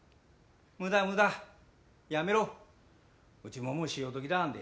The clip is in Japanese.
むだむだ、やめろうちももう潮時だなんで。